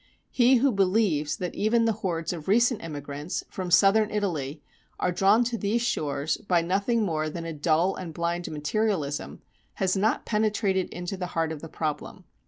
He who believes that even the hordes of recent immigrants from southern Italy are drawn to these shores by nothing more than a dull and blind materialism has not penetrated into the heart of the problem.